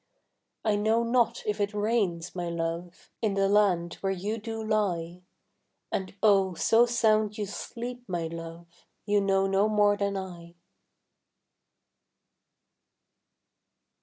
I know not if it rains, my love, In the land where you do lie; And oh, so sound you sleep, my love, You know no more than I.